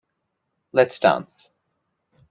Let's dance.